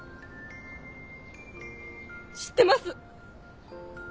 知ってます。